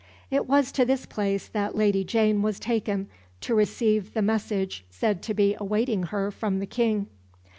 It was to this place that Lady Jane was taken to receive the message said to be awaiting her from the King.